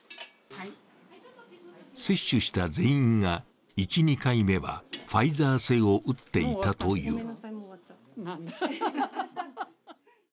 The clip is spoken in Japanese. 接種した全員が１、２回目はファイザー製を打っていたという。